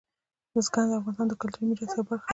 بزګان د افغانستان د کلتوري میراث یوه برخه ده.